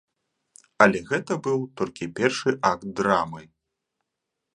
Але гэта быў толькі першы акт драмы.